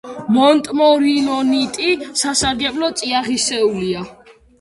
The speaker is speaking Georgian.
მონტმორილონიტი სასარგებლო წიაღისეულია.